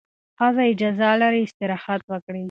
ښځه اجازه لري استراحت وکړي.